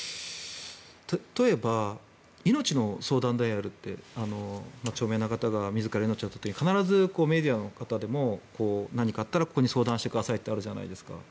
例えば、命の相談ダイヤルって著名な方が自ら命を絶った時に必ずメディアで何かあったらここに相談してくださいってあるじゃないですか。